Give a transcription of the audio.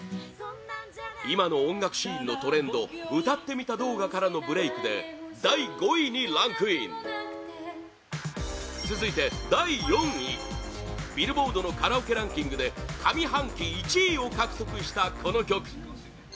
今の音楽シーンのトレンド歌ってみた動画からのブレークで第５位にランクイン続いて、第４位ビルボードのカラオケランキングで上半期１位を獲得したこの曲